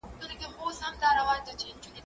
زه مخکي د کتابتون د کار مرسته کړې وه!.